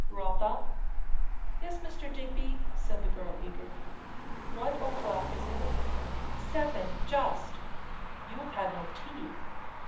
"Rotha " "Yes, Mr. Digby," said the girl eagerly. "What o'clock is it?" "Seven, just." "You have had no tea."